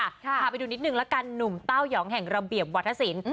พาไปดูนิดนึงละกันหนุ่มเต้ายองแห่งระเบียบวัฒนศิลป